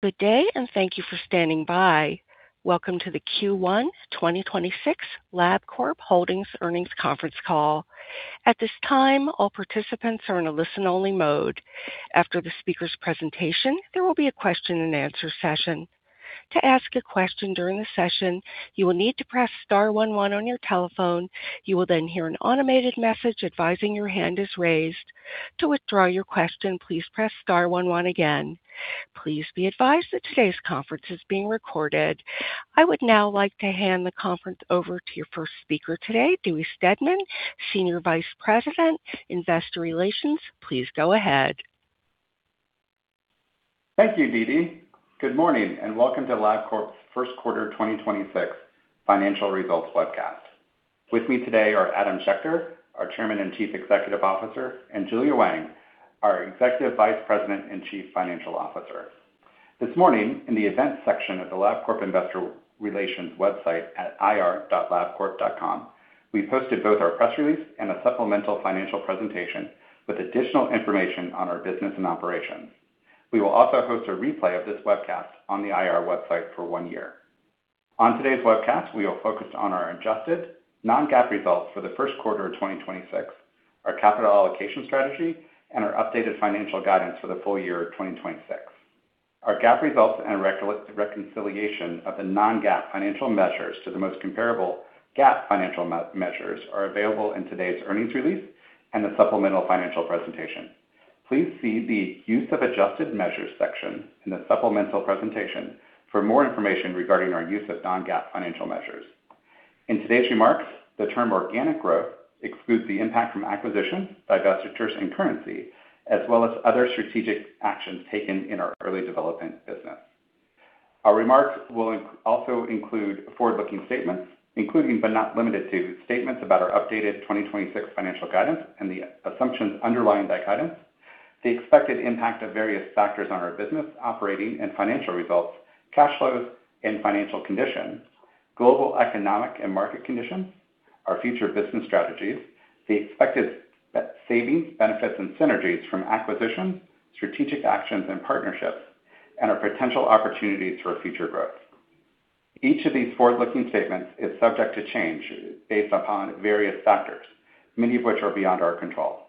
Good day, and thank you for standing by. Welcome to the Q1 2026 Labcorp Holdings Earnings Conference call. At this time, all participants are in a listen-only mode. After the speaker's presentation, there will be a question-and-answer session. To ask a question during the session, you will need to press star one one on your telephone. You will then hear an automated message advising your hand is raised. To withdraw your question, please press star one one again. Please be advised that today's conference is being recorded. I would now like to hand the conference over to your first speaker today, Dewey Steadman, Senior Vice President, Investor Relations. Please go ahead. Thank you, Dee Dee. Good morning, and welcome to Labcorp's First Quarter 2026 Financial Results Webcast. With me today are Adam Schechter, our Chairman and Chief Executive Officer, and Julia Wang, our Executive Vice President and Chief Financial Officer. This morning, in the events section of the Labcorp investor relations website at ir.labcorp.com, we posted both our press release and a supplemental financial presentation with additional information on our business and operations. We will also host a replay of this webcast on the IR website for one year. On today's webcast, we are focused on our adjusted non-GAAP results for the first quarter of 2026, our capital allocation strategy, and our updated financial guidance for the full year of 2026. Our GAAP results and reconciliation of the non-GAAP financial measures to the most comparable GAAP financial measures are available in today's earnings release and the supplemental financial presentation. Please see the Use of Adjusted Measures section in the supplemental presentation for more information regarding our use of non-GAAP financial measures. In today's remarks, the term organic growth excludes the impact from acquisitions, divestitures, and currency, as well as other strategic actions taken in our early development business. Our remarks will also include forward-looking statements, including but not limited to statements about our updated 2026 financial guidance and the assumptions underlying that guidance, the expected impact of various factors on our business, operating and financial results, cash flows and financial conditions, global economic and market conditions, our future business strategies, the expected savings, benefits, and synergies from acquisitions, strategic actions, and partnerships, and our potential opportunities for future growth. Each of these forward-looking statements is subject to change based upon various factors, many of which are beyond our control.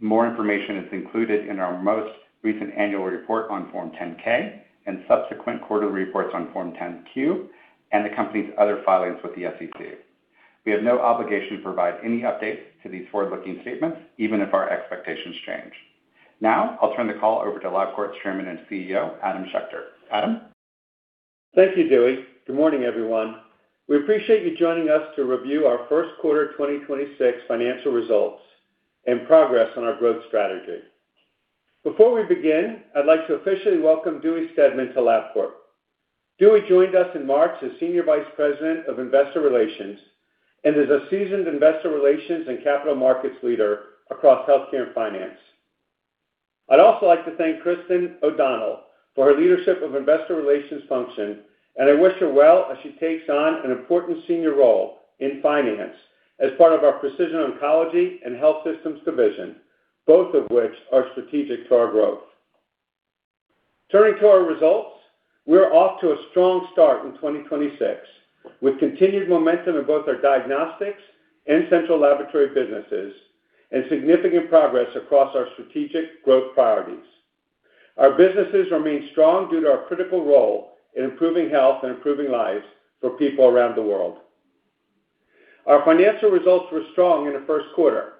More information is included in our most recent annual report on Form 10-K and subsequent quarterly reports on Form 10-Q and the company's other filings with the SEC. We have no obligation to provide any updates to these forward-looking statements even if our expectations change. Now, I'll turn the call over to Labcorp's Chairman and CEO, Adam Schechter. Adam. Thank you, Dewey. Good morning, everyone. We appreciate you joining us to review our first quarter 2026 financial results and progress on our growth strategy. Before we begin, I'd like to officially welcome Dewey Steadman to Labcorp. Dewey joined us in March as Senior Vice President of Investor Relations and is a seasoned investor relations and capital markets leader across healthcare and finance. I'd also like to thank Christin Anderson for her leadership of investor relations function, and I wish her well as she takes on an important senior role in finance as part of our Precision Oncology and Health Systems division, both of which are strategic to our growth. Turning to our results, we are off to a strong start in 2026, with continued momentum in both our diagnostics and central laboratory businesses and significant progress across our strategic growth priorities. Our businesses remain strong due to our critical role in improving health and improving lives for people around the world. Our financial results were strong in the first quarter.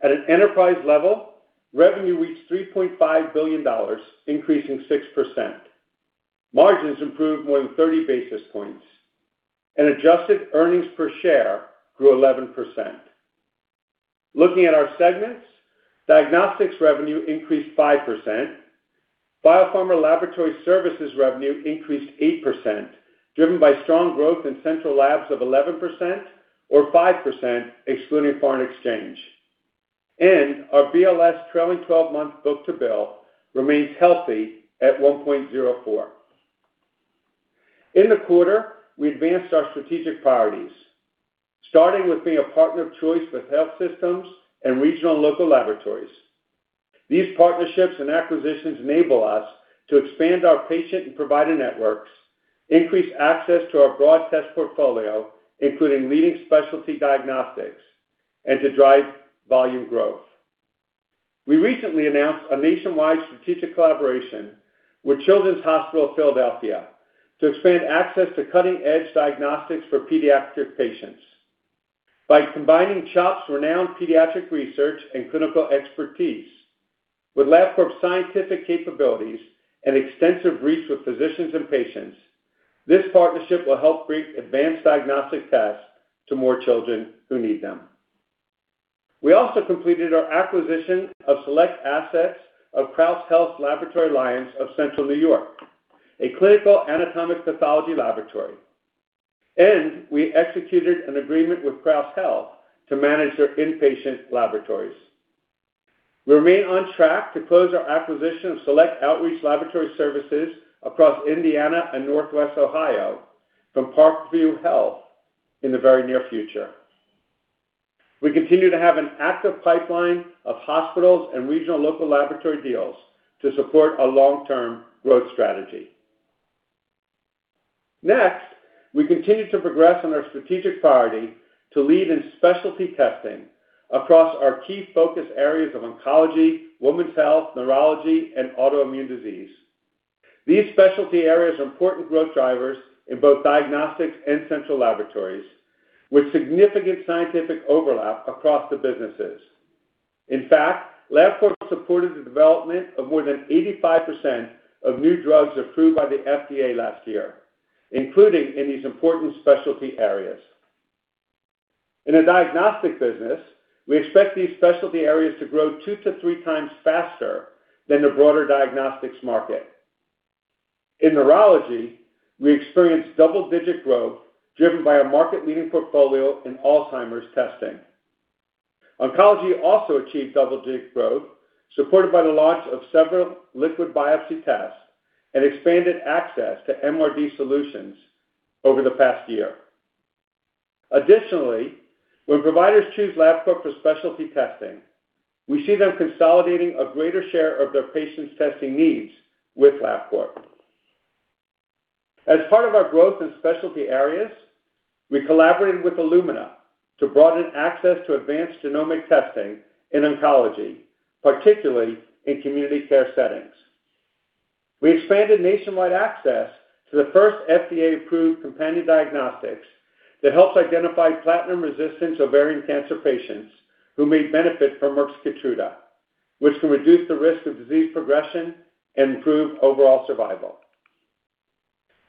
At an enterprise level, revenue reached $3.5 billion, increasing 6%. Margins improved more than 30 basis points. Adjusted earnings per share grew 11%. Looking at our segments, Diagnostics revenue increased 5%. Biopharma Laboratory Services revenue increased 8%, driven by strong growth in central labs of 11% or 5% excluding foreign exchange. Our BLS trailing-12-month book-to-bill remains healthy at 1.04. In the quarter, we advanced our strategic priorities, starting with being a partner of choice with health systems and regional and local laboratories. These partnerships and acquisitions enable us to expand our patient and provider networks, increase access to our broad test portfolio, including leading specialty diagnostics, and to drive volume growth. We recently announced a nationwide strategic collaboration with Children's Hospital of Philadelphia to expand access to cutting-edge diagnostics for pediatric patients. By combining CHOP's renowned pediatric research and clinical expertise with Labcorp's scientific capabilities and extensive reach with physicians and patients, this partnership will help bring advanced diagnostic tests to more children who need them. We also completed our acquisition of select assets of Crouse Health's Laboratory Alliance of Central New York, a clinical anatomic pathology laboratory. We executed an agreement with Crouse Health to manage their inpatient laboratories. We remain on track to close our acquisition of select outreach laboratory services across Indiana and Northwest Ohio from Parkview Health in the very near future. We continue to have an active pipeline of hospitals and regional local laboratory deals to support our long-term growth strategy. We continue to progress on our strategic priority to lead in specialty testing across our key focus areas of oncology, women's health, neurology, and autoimmune disease. These specialty areas are important growth drivers in both diagnostics and central laboratories, with significant scientific overlap across the businesses. In fact, Labcorp supported the development of more than 85% of new drugs approved by the FDA last year, including in these important specialty areas. In the diagnostic business, we expect these specialty areas to grow 2x-3x faster than the broader diagnostics market. In neurology, we experienced double-digit growth driven by our market-leading portfolio in Alzheimer's testing. Oncology also achieved double-digit growth, supported by the launch of several liquid biopsy tests and expanded access to MRD solutions over the past year. Additionally, when providers choose Labcorp for specialty testing, we see them consolidating a greater share of their patients' testing needs with Labcorp. As part of our growth in specialty areas, we collaborated with Illumina to broaden access to advanced genomic testing in oncology, particularly in community care settings. We expanded nationwide access to the first FDA-approved companion diagnostics that helps identify platinum-resistant ovarian cancer patients who may benefit from Merck's Keytruda, which can reduce the risk of disease progression and improve overall survival.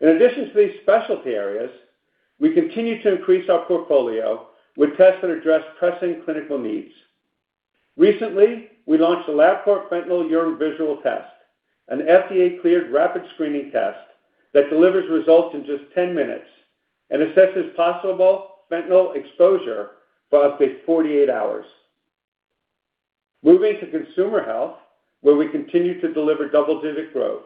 In addition to these specialty areas, we continue to increase our portfolio with tests that address pressing clinical needs. Recently, we launched the Labcorp Fentanyl Urine Visual Test, an FDA-cleared rapid screening test that delivers results in just 10 minutes and assesses possible fentanyl exposure for up to 48 hours. Moving to consumer health, where we continue to deliver double-digit growth.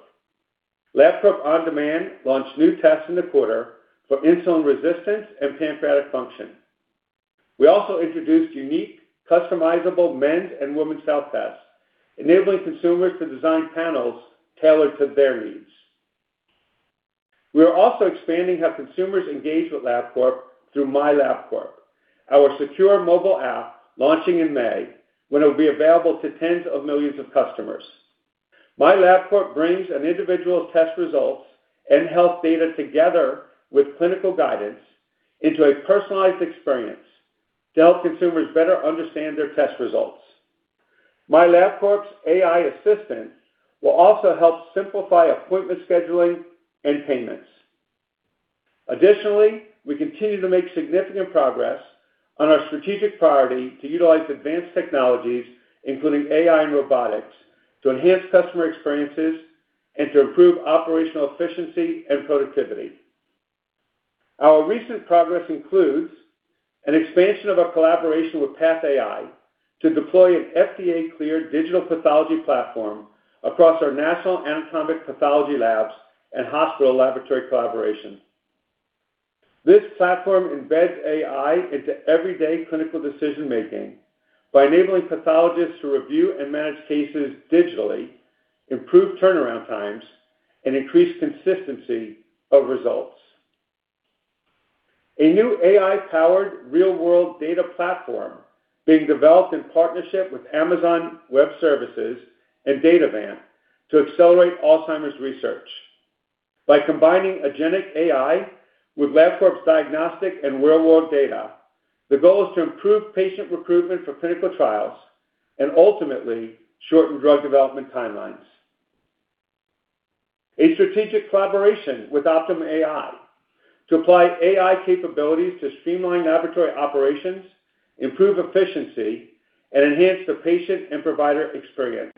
Labcorp OnDemand launched new tests in the quarter for insulin resistance and pancreatic function. We also introduced unique, customizable men's and women's health tests, enabling consumers to design panels tailored to their needs. We are also expanding how consumers engage with Labcorp through Labcorp Patient, our secure mobile app launching in May, when it will be available to tens of millions of customers. Labcorp Patient brings an individual's test results and health data together with clinical guidance into a personalized experience to help consumers better understand their test results. Labcorp Patient's AI assistant will also help simplify appointment scheduling and payments. Additionally, we continue to make significant progress on our strategic priority to utilize advanced technologies, including AI and robotics, to enhance customer experiences and to improve operational efficiency and productivity. Our recent progress includes an expansion of our collaboration with PathAI to deploy an FDA-cleared digital pathology platform across our national anatomic pathology labs and hospital laboratory collaborations. This platform embeds AI into everyday clinical decision-making by enabling pathologists to review and manage cases digitally, improve turn around times, and increase consistency of results. A new AI-powered real-world data platform being developed in partnership with Amazon Web Services and Datavant to accelerate Alzheimer's research. By combining Agentic AI with Labcorp's diagnostic and real-world data, the goal is to improve patient recruitment for clinical trials and ultimately shorten drug development timelines. A strategic collaboration with Optum AI to apply AI capabilities to streamline laboratory operations, improve efficiency, and enhance the patient and provider experience,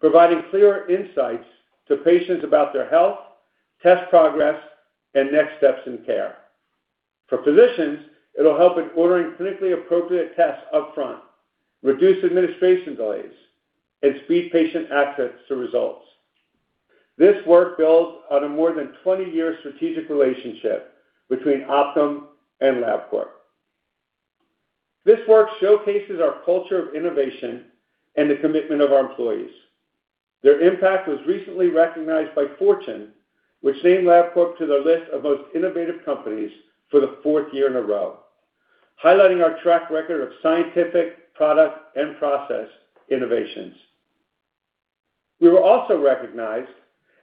providing clearer insights to patients about their health, test progress, and next steps in care. For physicians, it'll help in ordering clinically appropriate tests upfront, reduce administration delays, and speed patient access to results. This work builds on a more than 20-year strategic relationship between Optum and Labcorp. This work showcases our culture of innovation and the commitment of our employees. Their impact was recently recognized by Fortune, which named Labcorp to their list of most innovative companies for the fourth year in a row, highlighting our track record of scientific, product, and process innovations. We were also recognized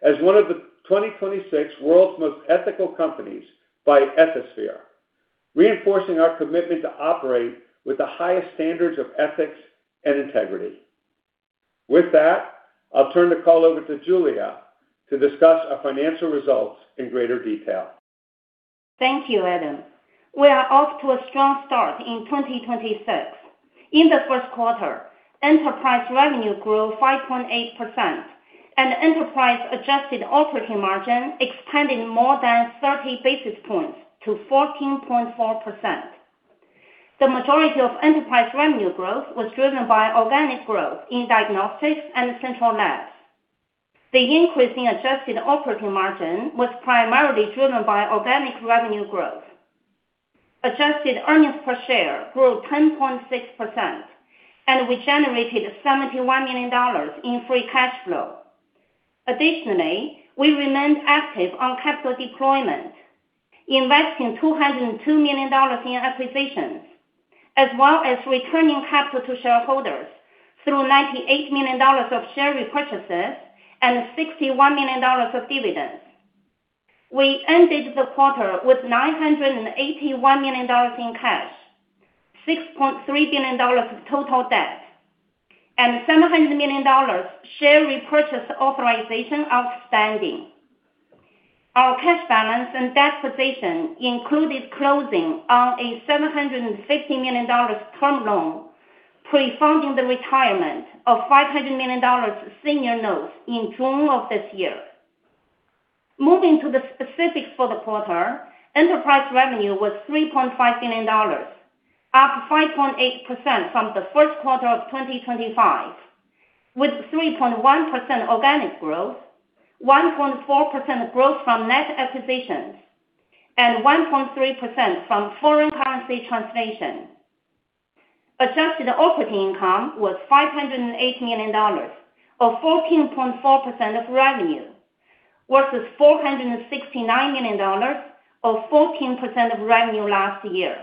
as one of the 2026 World's Most Ethical Companies by Ethisphere, reinforcing our commitment to operate with the highest standards of ethics and integrity. With that, I'll turn the call over to Julia to discuss our financial results in greater detail. Thank you, Adam. We are off to a strong start in 2026. In the first quarter, enterprise revenue grew 5.8% and enterprise adjusted operating margin expanded more than 30 basis points to 14.4%. The majority of enterprise revenue growth was driven by organic growth in diagnostics and central labs. The increase in adjusted operating margin was primarily driven by organic revenue growth. Adjusted earnings per share grew 10.6%, and we generated $71 million in free cash flow. Additionally, we remained active on capital deployment, investing $202 million in acquisitions, as well as returning capital to shareholders through $98 million of share repurchases and $61 million of dividends. We ended the quarter with $981 million in cash, $6.3 billion of total debt, and $700 million share repurchase authorization outstanding. Our cash balance and debt position included closing on a $750 million term loan, pre-funding the retirement of $500 million senior notes in June of this year. Moving to the specifics for the quarter, enterprise revenue was $3.5 billion, up 5.8% from the first quarter of 2025, with 3.1% organic growth, 1.4% growth from net acquisitions, and 1.3% from foreign currency translation. Adjusted operating income was $508 million, or 14.4% of revenue, versus $469 million, or 14% of revenue last year.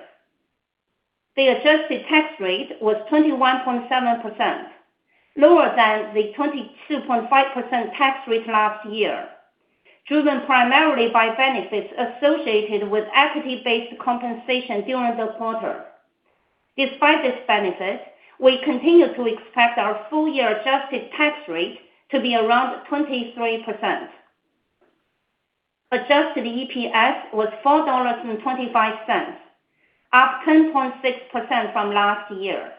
The adjusted tax rate was 21.7%, lower than the 22.5% tax rate last year, driven primarily by benefits associated with equity-based compensation during the quarter. Despite this benefit, we continue to expect our full year adjusted tax rate to be around 23%. Adjusted EPS was $4.25, up 10.6% from last year.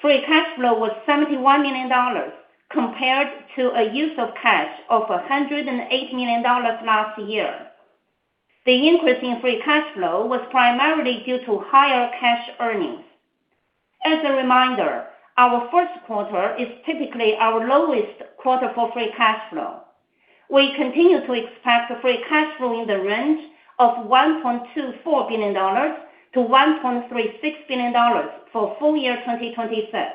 Free cash flow was $71 million compared to a use of cash of $180 million last year. The increase in free cash flow was primarily due to higher cash earnings. As a reminder, our first quarter is typically our lowest quarter for free cash flow. We continue to expect free cash flow in the range of $1.24 billion-$1.36 billion for full year 2025.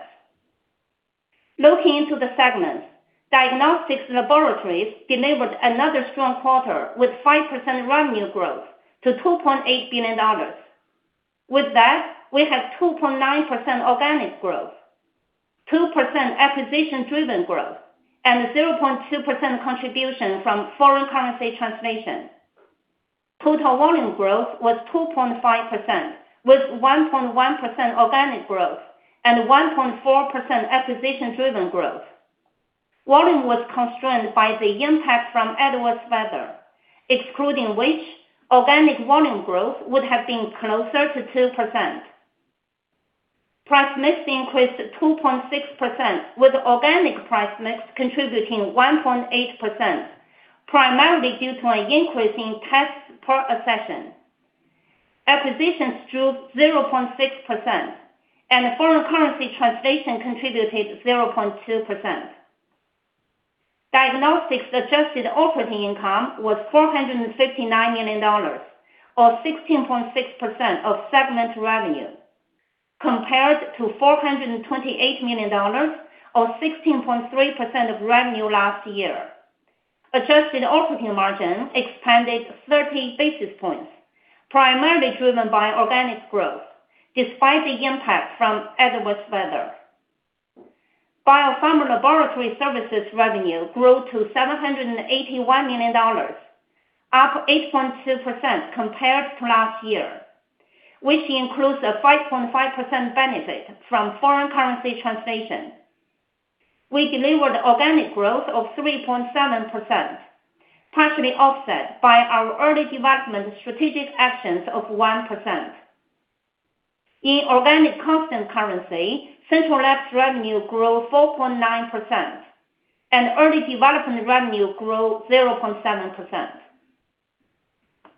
Looking into the segments, Diagnostics Laboratories delivered another strong quarter with 5% revenue growth to $2.8 billion. With that, we have 2.9% organic growth, 2% acquisition driven growth, and 0.2% contribution from foreign currency translation. Total volume growth was 2.5%, with 1.1% organic growth and 1.4% acquisition driven growth. Volume was constrained by the impact from adverse weather, excluding which organic volume growth would have been closer to 2%. Price mix increased 2.6%, with organic price mix contributing 1.8%, primarily due to an increase in tests per session. Acquisitions drove 0.6%, and foreign currency translation contributed 0.2%. Diagnostics adjusted operating income was $459 million, or 16.6% of segment revenue, compared to $428 million, or 16.3% of revenue last year. Adjusted operating margin expanded 30 basis points, primarily driven by organic growth, despite the impact from adverse weather. Biopharma laboratory services revenue grew to $781 million, up 8.2% compared to last year, which includes a 5.5% benefit from foreign currency translation. We delivered organic growth of 3.7%, partially offset by our early development strategic actions of 1%. In organic constant currency, central labs revenue grew 4.9%, and early development revenue grew 0.7%.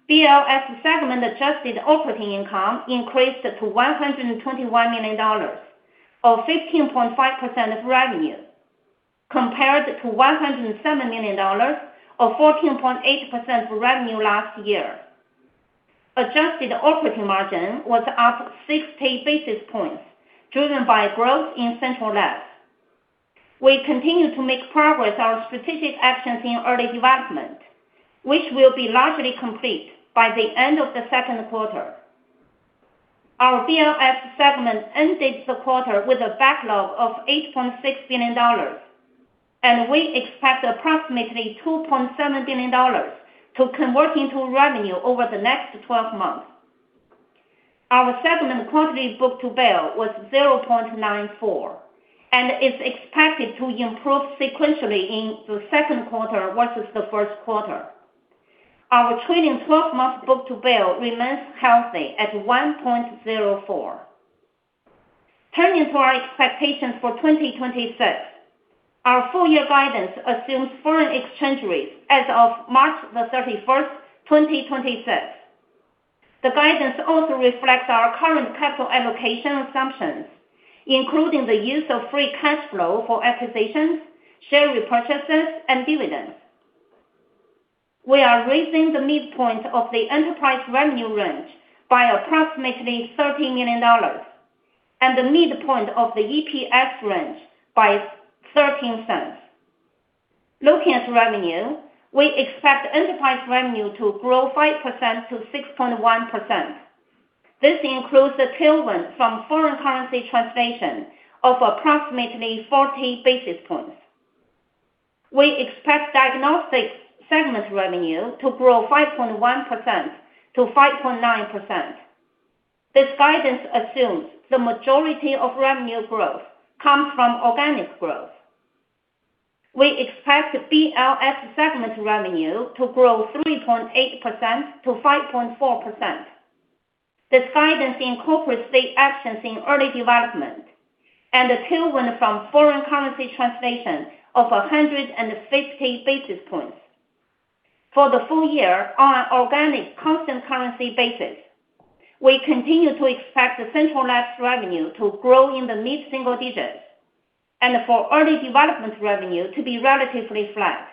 BLS segment adjusted operating income increased to $121 million, or 15.5% of revenue, compared to $107 million, or 14.8% of revenue last year. Adjusted operating margin was up 60 basis points, driven by growth in central labs. We continue to make progress on strategic actions in early development, which will be largely complete by the end of the second quarter. Our BLS segment ended the quarter with a backlog of $8.6 billion, and we expect approximately $2.7 billion to convert into revenue over the next 12 months. Our segment quarterly book-to-bill was 0.94, and is expected to improve sequentially in the second quarter versus the first quarter. Our trailing 12-month book-to-bill remains healthy at 1.04. Turning to our expectations for 2025. Our full year guidance assumes foreign exchange rates as of March 31st, 2025. The guidance also reflects our current capital allocation assumptions, including the use of free cash flow for acquisitions, share repurchases, and dividends. We are raising the midpoint of the enterprise revenue range by approximately $30 million, and the midpoint of the EPS range by $0.13. Looking at revenue, we expect enterprise revenue to grow 5%-6.1%. This includes the tailwind from foreign currency translation of approximately 40 basis points. We expect Diagnostics Segment revenue to grow 5.1%-5.9%. This guidance assumes the majority of revenue growth comes from organic growth. We expect BLS Segment revenue to grow 3.8%-5.4%. This guidance incorporates the actions in early development and the tailwind from foreign currency translation of 150 basis points. For the full year, on an organic constant currency basis, we continue to expect the central labs revenue to grow in the mid-single digits, and for early development revenue to be relatively flat,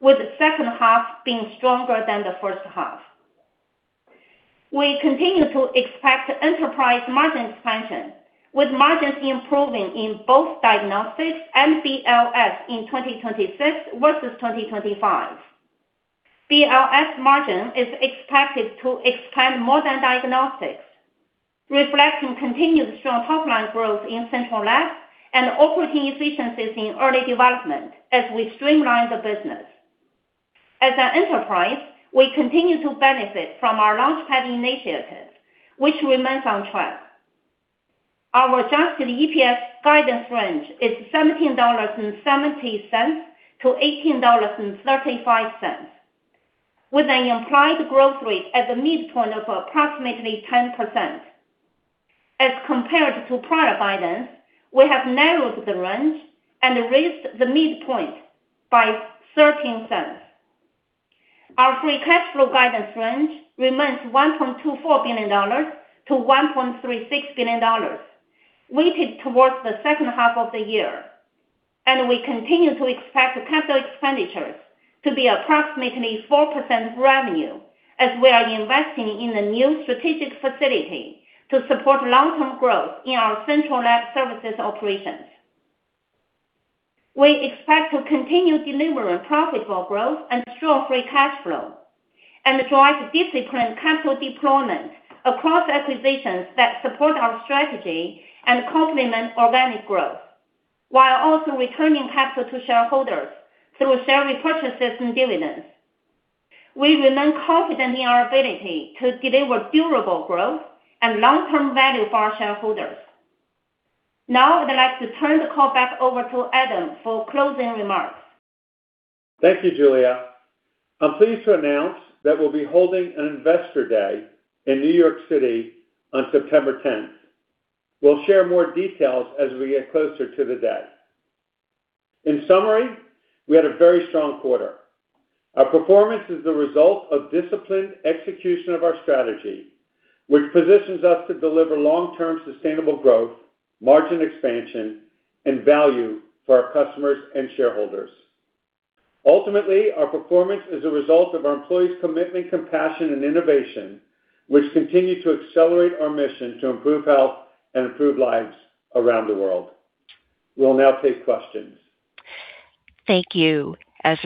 with the second half being stronger than the first half. We continue to expect enterprise margin expansion, with margins improving in both diagnostics and BLS in 2025 versus 2025. BLS margin is expected to expand more than diagnostics, reflecting continued strong top-line growth in central lab and operating efficiencies in early development as we streamline the business. As an enterprise, we continue to benefit from our LaunchPad initiatives, which remains on track. Our adjusted EPS guidance range is $17.70-$18.35, with an implied growth rate at the midpoint of approximately 10%. As compared to prior guidance, we have narrowed the range and raised the midpoint by $0.13. Our free cash flow guidance range remains $1.24 billion-$1.36 billion, weighted towards the second half of the year. We continue to expect capital expenditures to be approximately 4% revenue as we are investing in the new strategic facility to support long-term growth in our central lab services operations. We expect to continue delivering profitable growth and strong free cash flow and drive disciplined capital deployment across acquisitions that support our strategy and complement organic growth, while also returning capital to shareholders through share repurchases and dividends. We remain confident in our ability to deliver durable growth and long-term value for our shareholders. I'd like to turn the call back over to Adam for closing remarks. Thank you, Julia. I'm pleased to announce that we'll be holding an investor day in New York City on September 10th. We'll share more details as we get closer to the day. In summary, we had a very strong quarter. Our performance is the result of disciplined execution of our strategy, which positions us to deliver long-term sustainable growth, margin expansion, and value for our customers and shareholders. Ultimately, our performance is a result of our employees' commitment, compassion, and innovation, which continue to accelerate our mission to improve health and improve lives around the world. We'll now take questions. Thank you. Our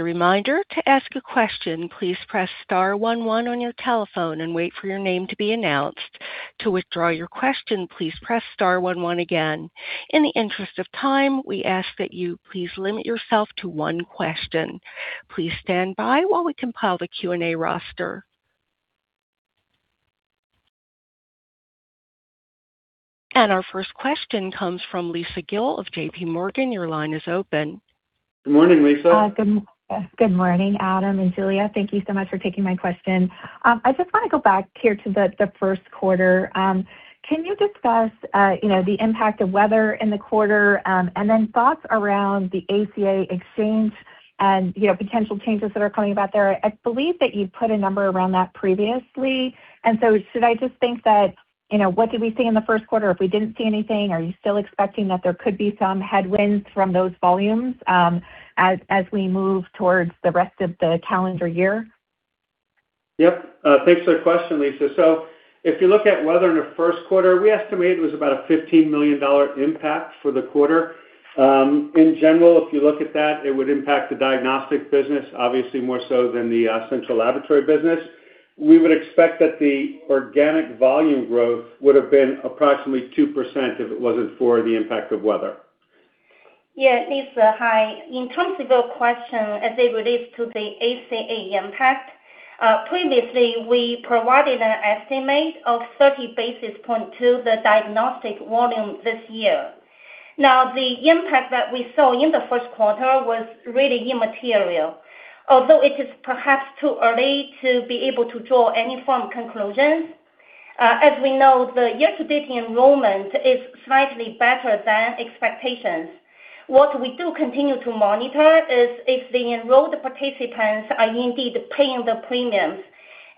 first question comes from Lisa Gill of J.P. Morgan. Your line is open. Good morning, Lisa. Good morning, Adam and Julia. Thank you so much for taking my question. I just wanna go back here to the first quarter. Can you discuss, you know, the impact of weather in the quarter and then thoughts around the ACA exchange and, you know, potential changes that are coming about there? I believe that you've put a number around that previously. Should I just think that, you know, what did we see in the first quarter? If we didn't see anything, are you still expecting that there could be some headwinds from those volumes as we move towards the rest of the calendar year? Yep. Thanks for the question, Lisa. If you look at weather in the first quarter, we estimate it was about a $15 million impact for the quarter. In general, if you look at that, it would impact the diagnostic business obviously more so than the central laboratory business. We would expect that the organic volume growth would have been approximately 2% if it wasn't for the impact of weather. Yeah. Lisa, hi. In terms of your question as it relates to the ACA impact, previously, we provided an estimate of 30 basis point to the diagnostic volume this year. Now, the impact that we saw in the 1st quarter was really immaterial. Although it is perhaps too early to be able to draw any firm conclusions, as we know, the year-to-date enrollment is slightly better than expectations. What we do continue to monitor is if the enrolled participants are indeed paying the premiums,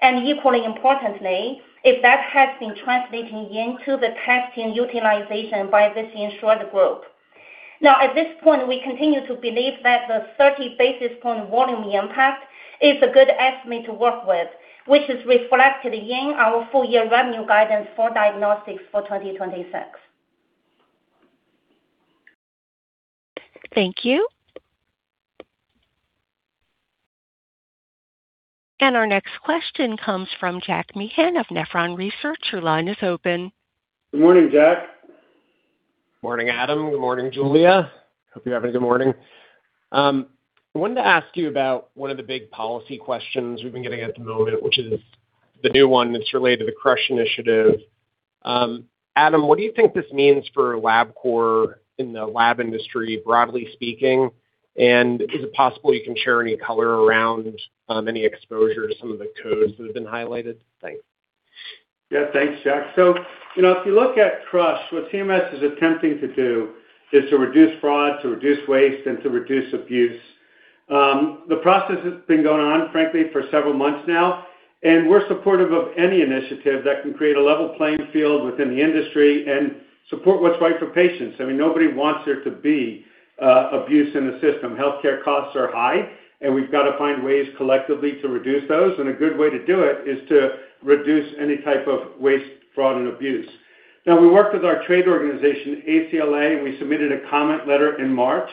and equally importantly, if that has been translating into the testing utilization by this insured group. Now, at this point, we continue to believe that the 30 basis point volume impact is a good estimate to work with, which is reflected in our full-year revenue guidance for diagnostics for 2026. Thank you. Our next question comes from Jack Meehan of Nephron Research. Your line is open. Good morning, Jack. Morning, Adam. Good morning, Julia. Hope you're having a good morning. I wanted to ask you about one of the big policy questions we've been getting at the moment, which is the new one that's related to CRUSH initiative. Adam, what do you think this means for Labcorp in the lab industry, broadly speaking? Is it possible you can share any color around any exposure to some of the codes that have been highlighted? Thanks. Yeah. Thanks, Jack. You know, if you look at CRUSH, what CMS is attempting to do is to reduce fraud, to reduce waste, and to reduce abuse. The process has been going on, frankly, for several months now, and we're supportive of any initiative that can create a level playing field within the industry and support what's right for patients. I mean, nobody wants there to be abuse in the system. Healthcare costs are high, and we've got to find ways collectively to reduce those, and a good way to do it is to reduce any type of waste, fraud, and abuse. We worked with our trade organization, ACLA, and we submitted a comment letter in March.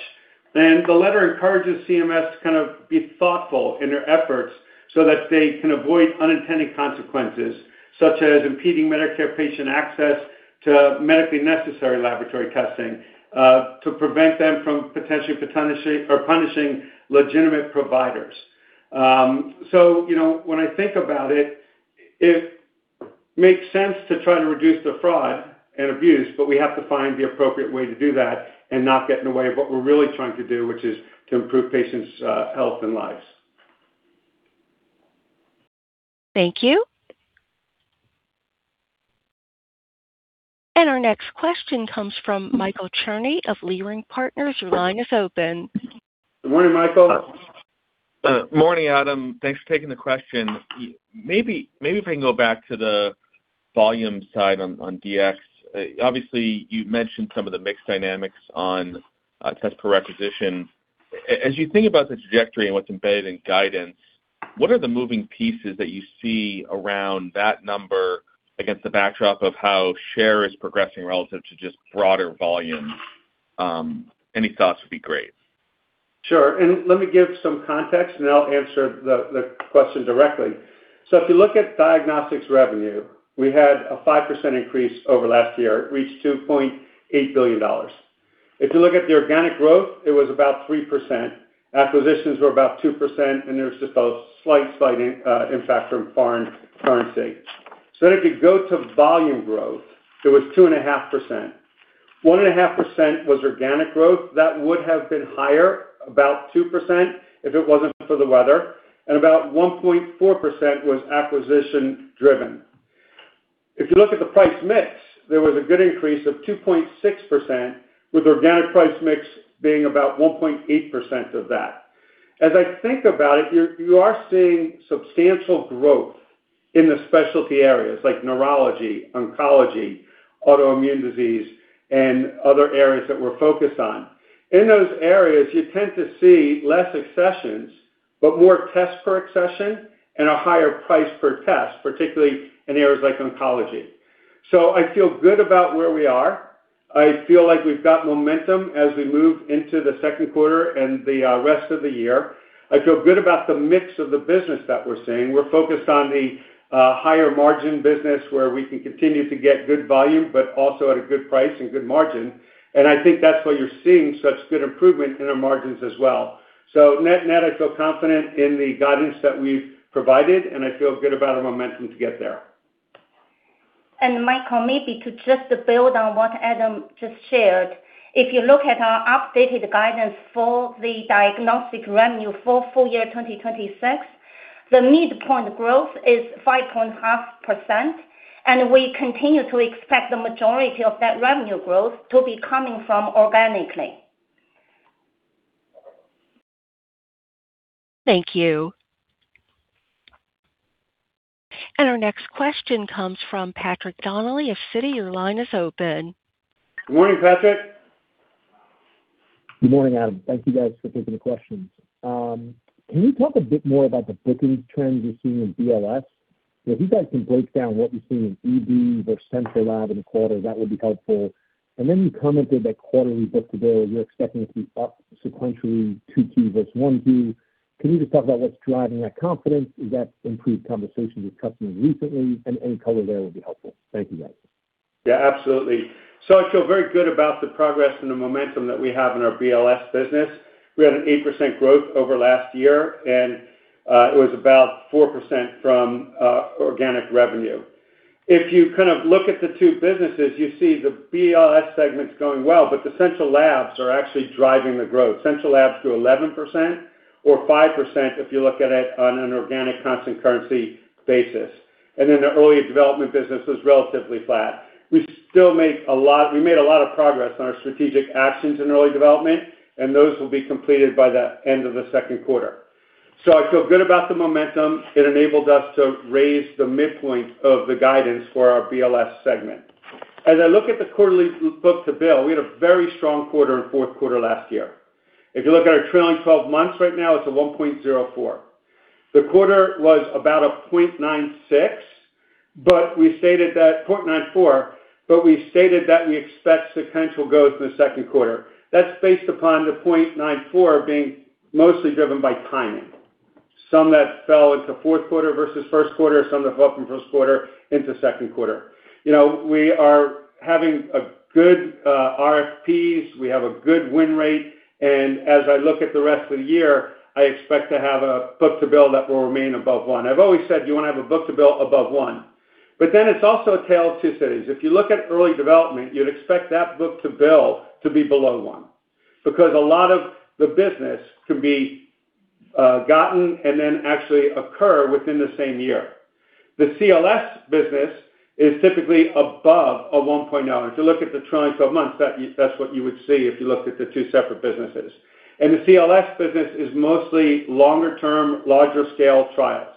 The letter encourages CMS to kind of be thoughtful in their efforts so that they can avoid unintended consequences, such as impeding Medicare patient access to medically necessary laboratory testing, to prevent them from potentially punishing legitimate providers. You know, when I think about it makes sense to try to reduce the fraud and abuse, but we have to find the appropriate way to do that and not get in the way of what we're really trying to do, which is to improve patients' health and lives. Thank you. Our next question comes from Michael Cherny of Leerink Partners. Your line is open. Good morning, Michael. Morning, Adam. Thanks for taking the question. Maybe if I can go back to the volume side on DX. Obviously, you've mentioned some of the mix dynamics on tests per requisition. As you think about the trajectory and what's embedded in guidance, what are the moving pieces that you see around that number against the backdrop of how share is progressing relative to just broader volume? Any thoughts would be great. Sure. Let me give some context, then I'll answer the question directly. If you look at diagnostics revenue, we had a 5% increase over last year. It reached $2.8 billion. If you look at the organic growth, it was about 3%. Acquisitions were about 2%, and there was just a slight impact from foreign currency. If you go to volume growth, it was 2.5%. 1.5% was organic growth. That would have been higher, about 2%, if it wasn't for the weather. About 1.4% was acquisition-driven. If you look at the price mix, there was a good increase of 2.6%, with organic price mix being about 1.8% of that. As I think about it, you are seeing substantial growth in the specialty areas like neurology, oncology, autoimmune disease, and other areas that we're focused on. In those areas, you tend to see less accessions, but more tests per accession and a higher price per test, particularly in areas like oncology. I feel good about where we are. I feel like we've got momentum as we move into the second quarter and the rest of the year. I feel good about the mix of the business that we're seeing. We're focused on the higher margin business where we can continue to get good volume, but also at a good price and good margin, I think that's why you're seeing such good improvement in our margins as well. Net, net, I feel confident in the guidance that we've provided, and I feel good about our momentum to get there. Michael, maybe to just build on what Adam just shared. If you look at our updated guidance for the diagnostic revenue for full year 2026, the midpoint growth is 5.5%, and we continue to expect the majority of that revenue growth to be coming from organically. Thank you. Our next question comes from Patrick Donnelly of Citi. Your line is open. Good morning, Patrick. Good morning, Adam. Thank you guys for taking the questions. Can you talk a bit more about the booking trends you're seeing in BLS? If you guys can break down what you're seeing in ED versus central lab in the quarter, that would be helpful. Then you commented that quarterly book-to-bill, you're expecting it to be up sequentially Q2 versus Q1. Can you just talk about what's driving that confidence? Is that improved conversations with customers recently? Any color there would be helpful. Thank you, guys. Yeah, absolutely. I feel very good about the progress and the momentum that we have in our BLS business. We had an 8% growth over last year, and it was about 4% from organic revenue. If you kind of look at the two businesses, you see the BLS segment's going well, but the central labs are actually driving the growth. Central labs grew 11%. 5% if you look at it on an organic constant currency basis. The early development business was relatively flat. We still made a lot of progress on our strategic actions in early development, and those will be completed by the end of the 2nd quarter. I feel good about the momentum. It enabled us to raise the midpoint of the guidance for our BLS segment. As I look at the quarterly book-to-bill, we had a very strong quarter in 4th quarter last year. If you look at our trailing 12 months right now, it's a 1.04. The quarter was about a 0.96, 0.94, but we stated that we expect sequential growth in the second quarter. That's based upon the 0.94 being mostly driven by timing. Some that fell into fourth quarter versus first quarter, some that fell from 1st quarter into second quarter. You know, we are having a good, RFPs. We have a good win rate. As I look at the rest of the year, I expect to have a book-to-bill that will remain above one. I've always said you want to have a book-to-bill above one. It's also a tale of two cities. If you look at early development, you'd expect that book-to-bill to be below one, because a lot of the business can be gotten and then actually occur within the same year. The CLS business is typically above a 1.0. If you look at the trailing 12 months, that's what you would see if you looked at the two separate businesses. The CLS business is mostly longer term, larger scale trials.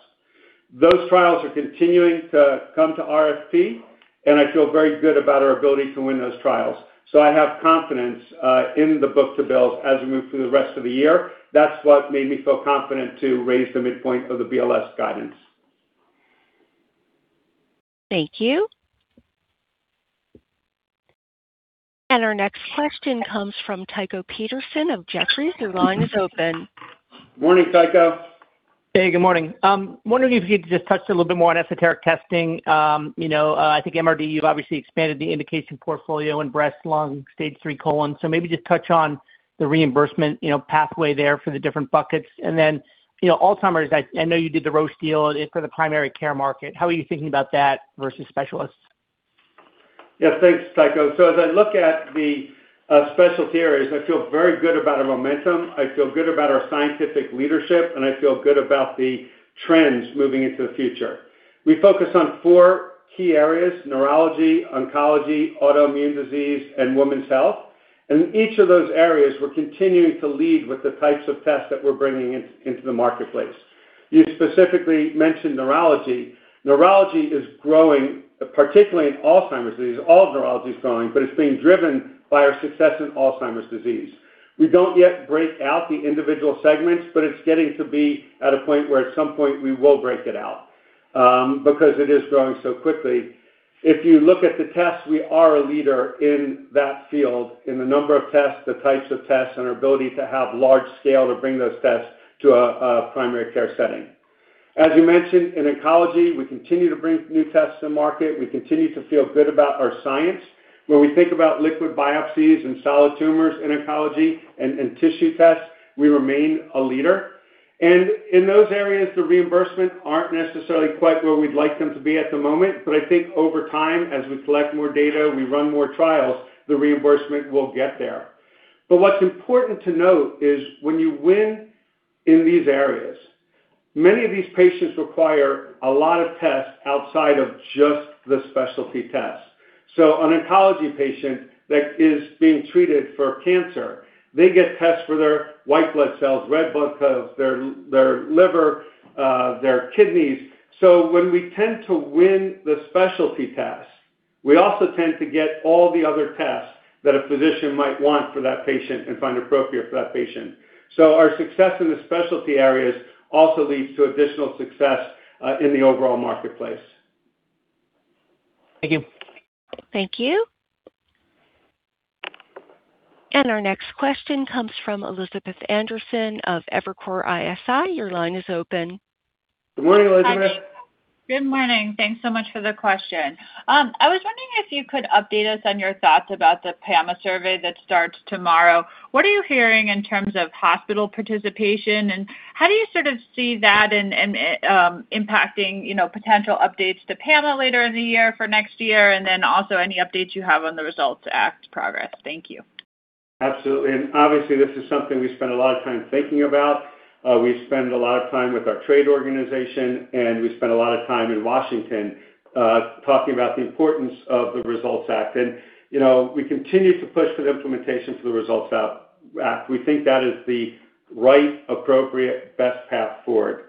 Those trials are continuing to come to RFP, and I feel very good about our ability to win those trials. I have confidence in the book-to-bills as we move through the rest of the year. That's what made me feel confident to raise the midpoint of the BLS guidance. Thank you. Our next question comes from Tycho Peterson of Jefferies. Your line is open. Morning, Tycho. Good morning. Wondering if you could just touch a little bit more on esoteric testing. You know, I think MRD, you've obviously expanded the indication portfolio in breast, lung, stage 3 colon. Maybe just touch on the reimbursement, you know, pathway there for the different buckets. Then, you know, Alzheimer's, I know you did the Roche deal for the primary care market. How are you thinking about that versus specialists? Yeah, thanks, Tycho. As I look at the specialty areas, I feel very good about our momentum. I feel good about our scientific leadership, I feel good about the trends moving into the future. We focus on four key areas, neurology, oncology, autoimmune disease, and women's health. In each of those areas, we're continuing to lead with the types of tests that we're bringing into the marketplace. You specifically mentioned neurology. Neurology is growing, particularly in Alzheimer's disease. All neurology is growing, it's being driven by our success in Alzheimer's disease. We don't yet break out the individual segments, it's getting to be at a point where at some point, we will break it out, because it is growing so quickly. If you look at the tests, we are a leader in that field, in the number of tests, the types of tests, and our ability to have large scale to bring those tests to a primary care setting. As you mentioned, in oncology, we continue to bring new tests to market. We continue to feel good about our science. When we think about liquid biopsies and solid tumors in oncology and tissue tests, we remain a leader. In those areas, the reimbursement aren't necessarily quite where we'd like them to be at the moment, I think over time, as we collect more data, we run more trials, the reimbursement will get there. What's important to note is when you win in these areas, many of these patients require a lot of tests outside of just the specialty tests. An oncology patient that is being treated for cancer, they get tests for their white blood cells, red blood cells, their liver, their kidneys. When we tend to win the specialty tests, we also tend to get all the other tests that a physician might want for that patient and find appropriate for that patient. Our success in the specialty areas also leads to additional success in the overall marketplace. Thank you. Thank you. Our next question comes from Elizabeth Anderson of Evercore ISI. Your line is open. Good morning, Elizabeth. Good morning. Thanks so much for the question. I was wondering if you could update us on your thoughts about the PAMA survey that starts tomorrow. What are you hearing in terms of hospital participation, and how do you sort of see that impacting, you know, potential updates to PAMA later in the year for next year? Also any updates you have on the RESULTS Act progress. Thank you. Absolutely. Obviously, this is something we spend a lot of time thinking about. We spend a lot of time with our trade organization, and we spend a lot of time in Washington, talking about the importance of the RESULTS Act. You know, we continue to push for the implementation for the RESULTS Act. We think that is the right, appropriate, best path forward.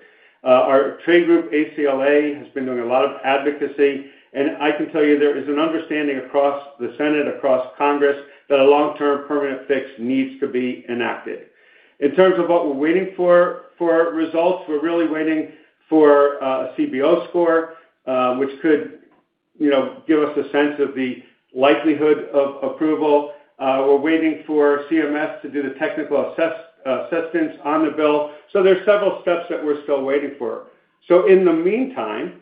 Our trade group, ACLA, has been doing a lot of advocacy, and I can tell you there is an understanding across the Senate, across Congress, that a long-term permanent fix needs to be enacted. In terms of what we're waiting for results, we're really waiting for a CBO score, which could, you know, give us a sense of the likelihood of approval. We're waiting for CMS to do the technical assessment on the bill. There's several steps that we're still waiting for. In the meantime,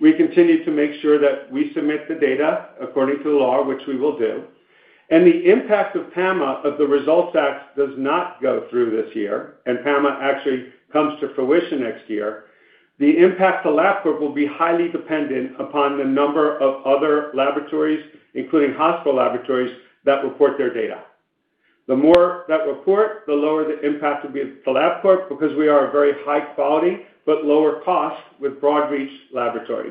we continue to make sure that we submit the data according to the law, which we will do. The impact of PAMA, if the RESULTS Act does not go through this year and PAMA actually comes to fruition next year. The impact to Labcorp will be highly dependent upon the number of other laboratories, including hospital laboratories, that report their data. The more that report, the lower the impact will be to Labcorp because we are a very high quality but lower cost with broad reach laboratory.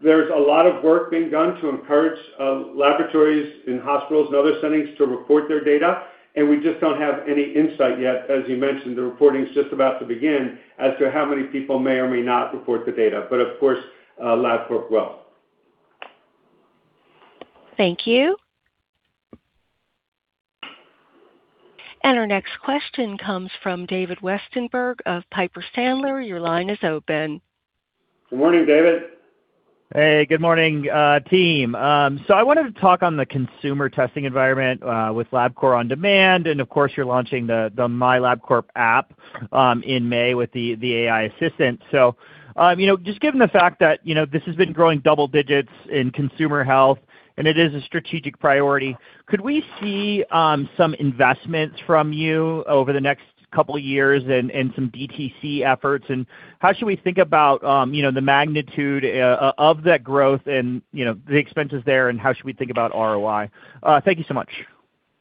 There's a lot of work being done to encourage laboratories in hospitals and other settings to report their data, and we just don't have any insight yet, as you mentioned, the reporting is just about to begin, as to how many people may or may not report the data. Of course, Labcorp will. Thank you. Our next question comes from David Westenberg of Piper Sandler. Your line is open. Good morning, David. Good morning, team. I wanted to talk on the consumer testing environment with Labcorp OnDemand, and of course, you're launching the Labcorp Patient app in May with the AI assistant. You know, just given the fact that, you know, this has been growing double digits in consumer health and it is a strategic priority, could we see some investments from you over the next couple years and some DTC efforts? How should we think about, you know, the magnitude of that growth and, you know, the expenses there, and how should we think about ROI? Thank you so much.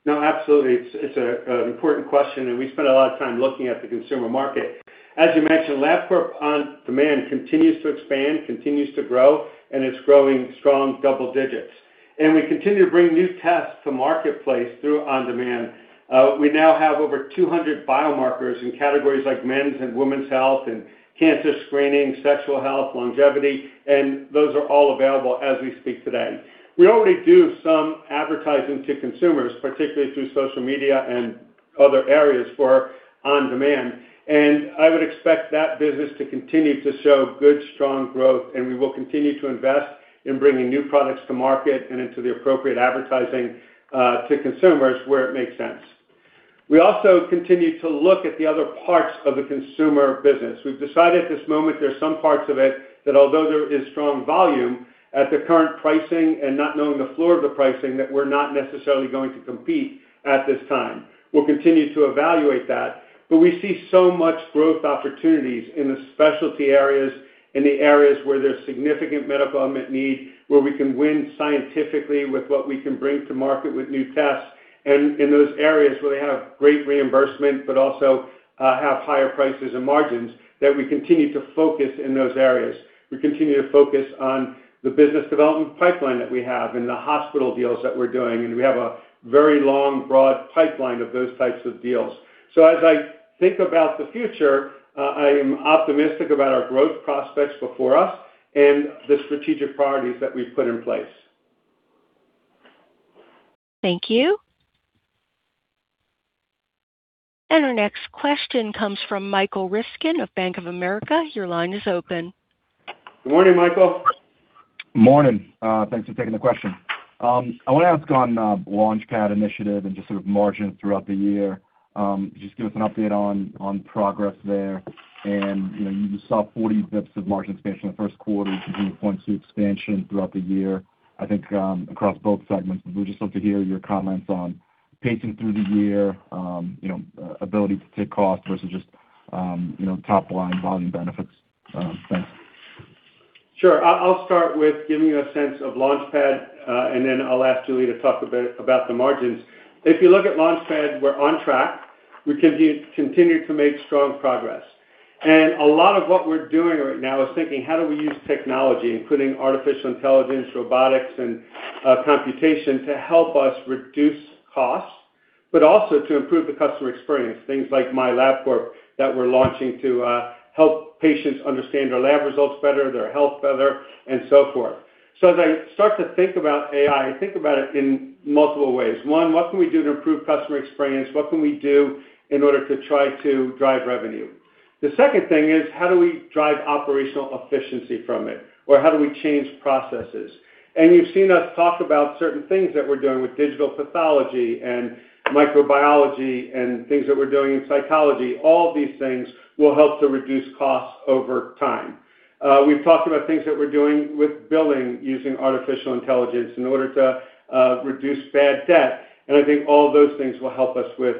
No, absolutely. It's an important question. We spend a lot of time looking at the consumer market. As you mentioned, Labcorp OnDemand continues to expand, continues to grow. It's growing strong double digits. We continue to bring new tests to marketplace through OnDemand. We now have over 200 biomarkers in categories like men's and women's health and cancer screening, sexual health, longevity. Those are all available as we speak today. We already do some advertising to consumers, particularly through social media and other areas for OnDemand. I would expect that business to continue to show good, strong growth, and we will continue to invest in bringing new products to market and into the appropriate advertising to consumers where it makes sense. We also continue to look at the other parts of the consumer business. We've decided at this moment there are some parts of it that although there is strong volume, at the current pricing and not knowing the floor of the pricing, that we're not necessarily going to compete at this time. We'll continue to evaluate that. We see so much growth opportunities in the specialty areas, in the areas where there's significant medical unmet need, where we can win scientifically with what we can bring to market with new tests, and in those areas where they have great reimbursement, but also have higher prices and margins, that we continue to focus in those areas. We continue to focus on the business development pipeline that we have and the hospital deals that we're doing, and we have a very long, broad pipeline of those types of deals. As I think about the future, I am optimistic about our growth prospects before us and the strategic priorities that we've put in place. Thank you. Our next question comes from Michael Ryskin of Bank of America. Your line is open. Good morning, Michael. Morning. Thanks for taking the question. I wanna ask on LaunchPad initiative and just sort of margins throughout the year. Just give us an update on progress there. You know, you saw 40 bps of margin expansion in the first quarter, which is going to point to expansion throughout the year, I think, across both segments. We just love to hear your comments on pacing through the year, you know, ability to take costs versus just, you know, top-line volume benefits. Thanks. Sure. I'll start with giving you a sense of LaunchPad, and then I'll ask Julia to talk a bit about the margins. If you look at LaunchPad, we're on track. We continue to make strong progress. A lot of what we're doing right now is thinking, how do we use technology, including artificial intelligence, robotics, and computation to help us reduce costs, but also to improve the customer experience? Things like Labcorp Patient that we're launching to help patients understand their lab results better, their health better, and so forth. As I start to think about AI, I think about it in multiple ways. One, what can we do to improve customer experience? What can we do in order to try to drive revenue? The second thing is how do we drive operational efficiency from it, or how do we change processes? You've seen us talk about certain things that we're doing with digital pathology and microbiology and things that we're doing in psychology. All these things will help to reduce costs over time. We've talked about things that we're doing with billing using artificial intelligence in order to reduce bad debt, and I think all those things will help us with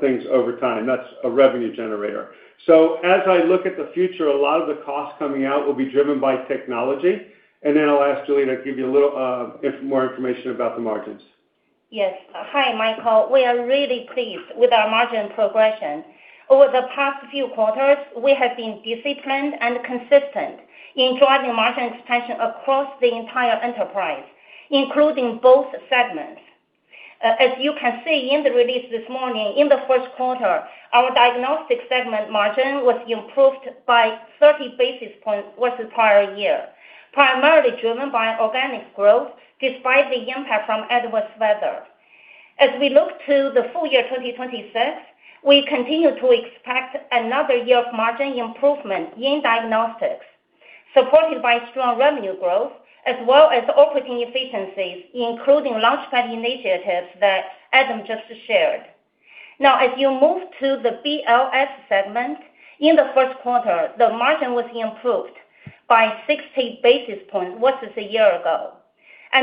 things over time. That's a revenue generator. As I look at the future, a lot of the costs coming out will be driven by technology. Then I'll ask Julie to give you a little more information about the margins. Hi, Michael. We are really pleased with our margin progression. Over the past few quarters, we have been disciplined and consistent in driving margin expansion across the entire enterprise, including both segments. As you can see in the release this morning, in the first quarter, our diagnostic segment margin was improved by 30 basis points versus prior year, primarily driven by organic growth despite the impact from adverse weather. As we look to the full year 2025, we continue to expect another year of margin improvement in diagnostics, supported by strong revenue growth as well as operating efficiencies, including LaunchPad initiatives that Adam Schechter just shared. Now, as you move to the BLS segment, in the first quarter, the margin was improved by 60 basis points versus a year ago.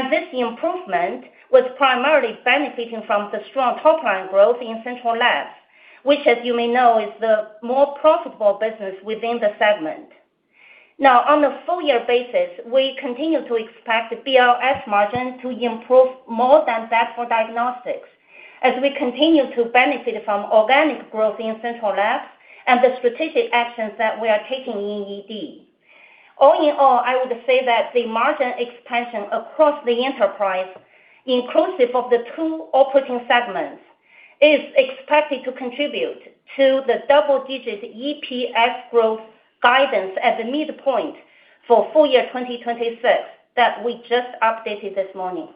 This improvement was primarily benefiting from the strong top line growth in central labs, which as you may know, is the more profitable business within the segment. Now, on a full year basis, we continue to expect the BLS margin to improve more than that for diagnostics as we continue to benefit from organic growth in central labs and the strategic actions that we are taking in ED. All in all, I would say that the margin expansion across the enterprise, inclusive of the two operating segments, is expected to contribute to the double-digit EPS growth guidance at the midpoint for full year 2026 that we just updated this morning.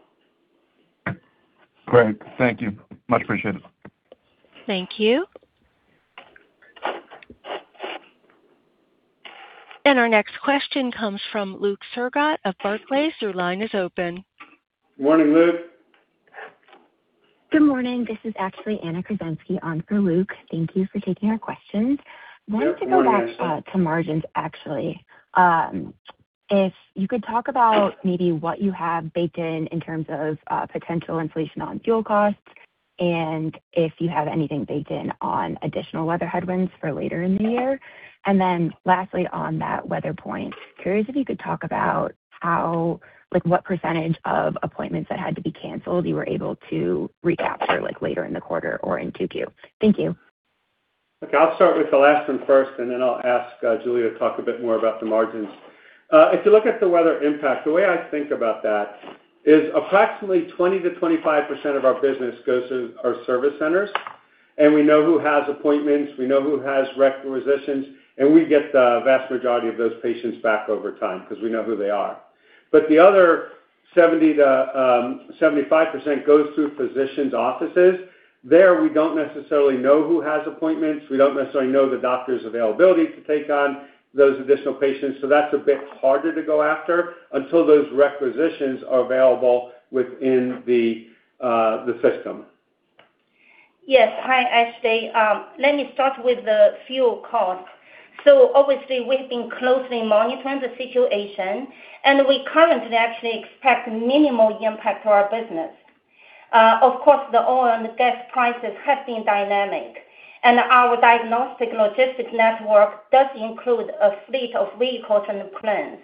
Great. Thank you. Much appreciated. Thank you. Our next question comes from Luke Sergott of Barclays. Your line is open. Morning, Luke. Good morning. This is actually Ashley Krezinski on for Luke. Thank you for taking our questions. Yeah. Good morning, Ashley. Wanted to go back to margins, actually. If you could talk about maybe what you have baked in in terms of potential inflation on fuel costs and if you have anything baked in on additional weather headwinds for later in the year. Lastly, on that weather point, curious if you could talk about how like what percentage of appointments that had to be canceled you were able to recapture like later in the quarter or in Q2. Thank you. Okay. I'll start with the last one first. Then I'll ask Julia to talk a bit more about the margins. If you look at the weather impact, the way I think about that is approximately 20%-25% of our business goes to our service centers. We know who has appointments, we know who has requisitions. We get the vast majority of those patients back over time because we know who they are. The other 70%-75% goes through physicians' offices. There, we don't necessarily know who has appointments. We don't necessarily know the doctor's availability to take on those additional patients. That's a bit harder to go after until those requisitions are available within the system. Yes. Hi, Ashley. Let me start with the fuel cost. Obviously, we've been closely monitoring the situation, and we currently actually expect minimal impact to our business. Of course, the oil and gas prices have been dynamic, and our diagnostic logistics network does include a fleet of vehicles and planes.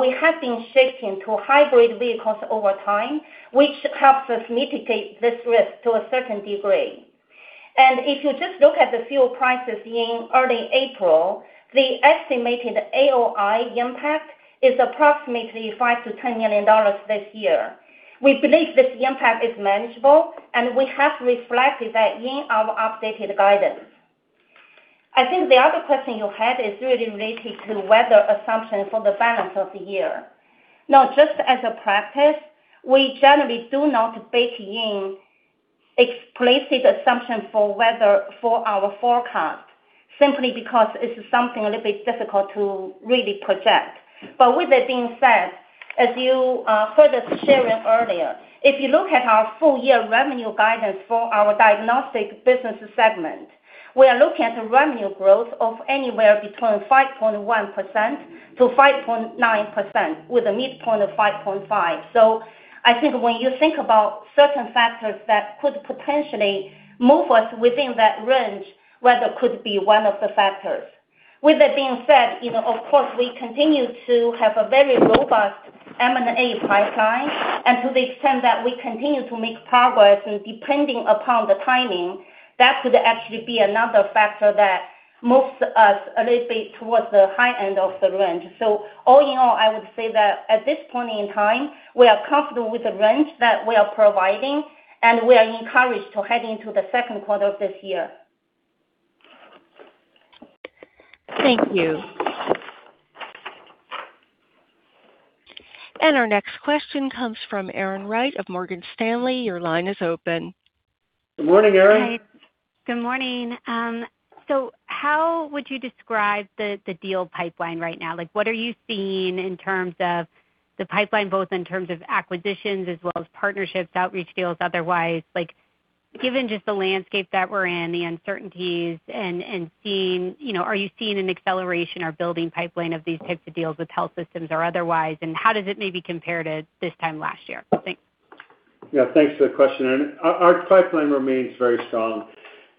We have been shifting to hybrid vehicles over time, which helps us mitigate this risk to a certain degree. If you just look at the fuel prices in early April, the estimated AOI impact is approximately $5 million-$10 million this year. We believe this impact is manageable, and we have reflected that in our updated guidance. I think the other question you had is really related to weather assumption for the balance of the year. Now, just as a practice, we generally do not bake in explicit assumption for weather for our forecast simply because it's something a little bit difficult to really project. With that being said, as you heard us sharing earlier, if you look at our full year revenue guidance for our diagnostic business segment, we are looking at revenue growth of anywhere between 5.1% to 5.9% with a midpoint of 5.5%. I think when you think about certain factors that could potentially move us within that range, weather could be one of the factors. With that being said, you know, of course, we continue to have a very robust M&A pipeline. To the extent that we continue to make progress and depending upon the timing, that could actually be another factor that moves us a little bit towards the high end of the range. All in all, I would say that at this point in time, we are comfortable with the range that we are providing, and we are encouraged to head into the second quarter of this year. Thank you. Our next question comes from Erin Wright of Morgan Stanley. Your line is open. Good morning, Erin. Hi. Good morning. How would you describe the deal pipeline right now? Like, what are you seeing in terms of the pipeline, both in terms of acquisitions as well as partnerships, outreach deals, otherwise? Like, given just the landscape that we're in, the uncertainties, you know, are you seeing an acceleration or building pipeline of these types of deals with health systems or otherwise, and how does it maybe compare to this time last year? Thanks. Yeah. Thanks for the question. Our pipeline remains very strong.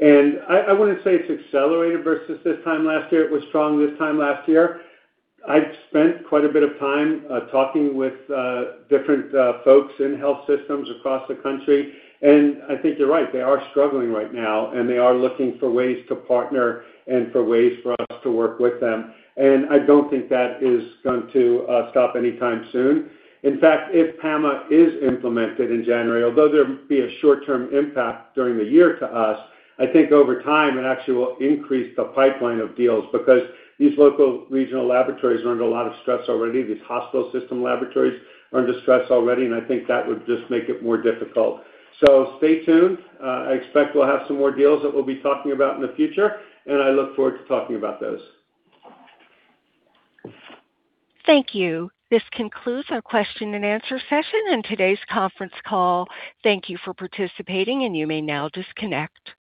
I wouldn't say it's accelerated versus this time last year. It was strong this time last year. I've spent quite a bit of time talking with different folks in health systems across the country, and I think you're right, they are struggling right now, and they are looking for ways to partner and for ways for us to work with them. I don't think that is going to stop anytime soon. In fact, if PAMA is implemented in January, although there be a short-term impact during the year to us, I think over time it actually will increase the pipeline of deals because these local regional laboratories are under a lot of stress already. These hospital system laboratories are under stress already. I think that would just make it more difficult. Stay tuned. I expect we'll have some more deals that we'll be talking about in the future. I look forward to talking about those. Thank you. This concludes our question and answer session and today's conference call. Thank you for participating, and you may now disconnect.